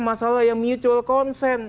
masalah yang mutual consent